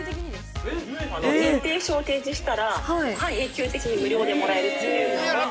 認定証を提示したら、半永久的に無料でもらえるという。